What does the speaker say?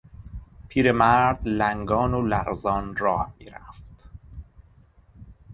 پیرمرد لنگان و لرزان راه میرفت.